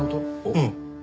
うん。